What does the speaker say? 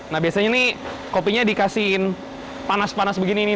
nah biasanya nih kopinya dikasihin panas panas begini nih